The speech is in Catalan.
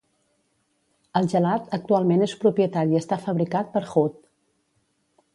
El gelat actualment és propietat i està fabricat per Hood.